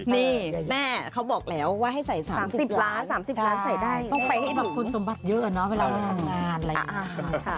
นี่แม่เขาบอกแล้วว่าให้ใส่๓๐ล้านต้องไปให้บรรคุณสมบัติเยอะเนอะเวลาทำงานอะไรอย่างนี้